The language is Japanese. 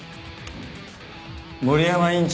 森山院長